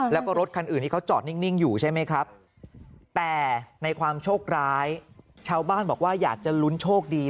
ลุ้นอะไรอะไร